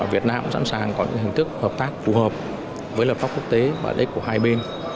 việt nam cũng sẵn sàng có những hình thức hợp tác phù hợp với lập pháp quốc tế và lợi ích của hai bên